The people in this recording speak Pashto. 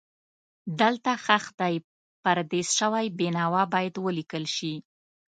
دلته ښخ دی پردیس شوی بېنوا باید ولیکل شي.